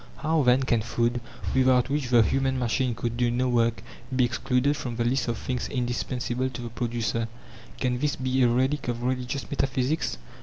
How then can food, without which the human machine could do no work, be excluded from the list of things indispensable to the producer? Can this be a relic of religious metaphysics?